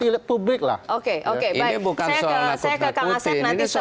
ini bukan soal nakut takuti